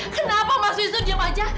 kenapa mas wisnu diam aja